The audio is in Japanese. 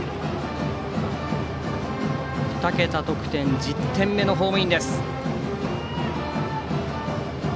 ２桁得点、１０点目のホームイン。